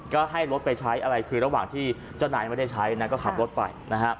ก็ให้รถไปใช้ระหว่างที่เจ้านายไม่ได้ใช้ก็ขับรถไป